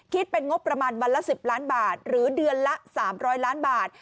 เป็นงบประมาณวันละ๑๐ล้านบาทหรือเดือนละ๓๐๐ล้านบาท